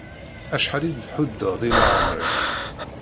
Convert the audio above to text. Acḥal i d-tḥuddeḍ i leεmer-iw.